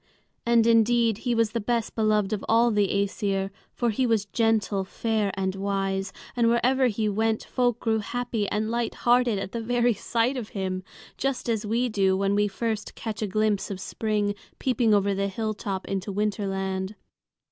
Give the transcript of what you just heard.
And indeed he was the best beloved of all the Æsir; for he was gentle, fair, and wise, and wherever he went folk grew happy and light hearted at the very sight of him, just as we do when we first catch a glimpse of spring peeping over the hilltop into Winterland.